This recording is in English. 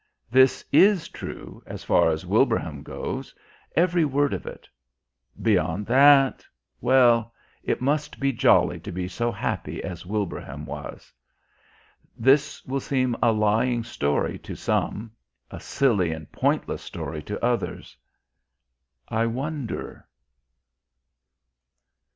This is true as far as Wilbraham goes, every word of it. Beyond that? Well, it must be jolly to be so happy as Wilbraham was. This will seem a lying story to some, a silly and pointless story to others. I wonder....